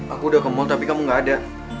aku udah ke mall tapi kamu gak ada